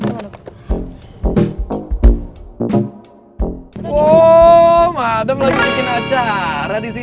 woh mada lagi bikin acara disini